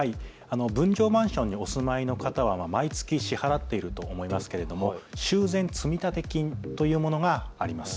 分譲マンションにお住まいの方は毎月支払っていると思いますが修繕積立金というものがあります。